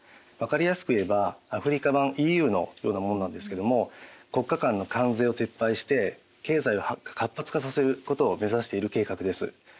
分かりやすく言えばアフリカ版ＥＵのようなものなんですけども国家間の関税を撤廃して経済を活発化させることをめざしている計画です。